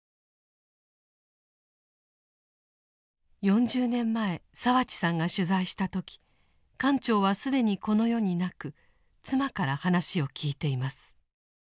４０年前澤地さんが取材した時艦長は既にこの世になく妻から話を聞いています。